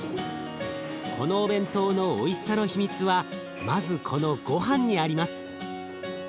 このお弁当のおいしさの秘密はまずこのごはんにあります。